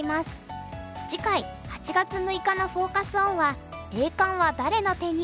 次回８月６日のフォーカス・オンは「栄冠は誰の手に？